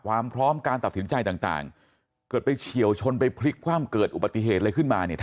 ความพร้อมการตัดสินใจต่างเกิดไปเฉียวชนไปพลิกคว่ำเกิดอุบัติเหตุอะไรขึ้นมาเนี่ย